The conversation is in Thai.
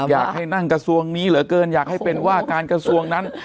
อยากให้นั่งกระทรวงนี้เหลือเกินอยากให้เป็นว่าการกระทรวงนั้น